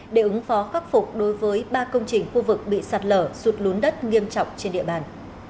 để ứng phó khắc phục đối với ba công trình khu vực bị sạt lở sụt lún đất nghiêm trọng trên địa bàn